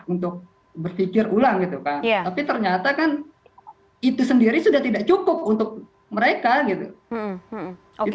untuk berpikir ulang tapi ternyata kan itu sendiri sudah tidak cukup untuk mereka